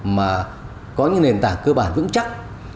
mà có những nền tảng cơ bản vững chắc